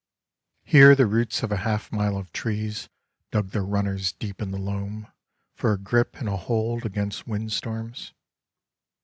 Here the roots of a half mile of trees dug their runners deep in the loam for a grip and a hold against wind storms.